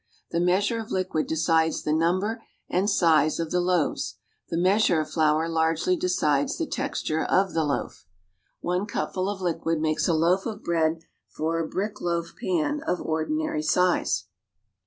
The measure of liquid decides the number and size of the loaves; the measure of flour largely decides the texture of the loaf. One cupful of liquid makes a loaf of bread for a brick loaf pan of ordinary size.